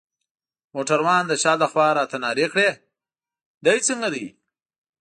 موټروان د شا لخوا راته نارې کړل: دی څنګه دی؟